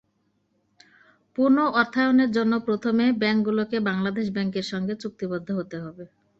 পুনঃ অর্থায়নের জন্য প্রথমে ব্যাংকগুলোকে বাংলাদেশ ব্যাংকের সঙ্গে চুক্তিবদ্ধ হতে হবে।